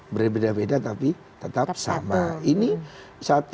berbeda beda tapi tetap sama